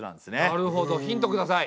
なるほどヒントください。